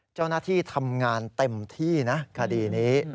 เจ้าหน้าที่ทำงานเต็มที่นะคดีนี้